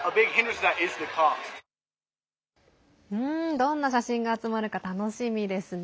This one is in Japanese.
どんな写真が集まるか楽しみですね。